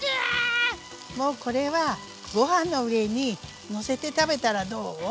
もうこれはご飯の上にのせて食べたらどう？